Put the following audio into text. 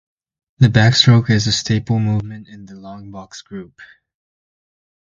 The Backstroke is a staple movement in the Long Box Group.